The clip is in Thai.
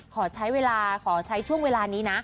ขอใช้เวลาขอใช้ช่วงเวลานี้นะ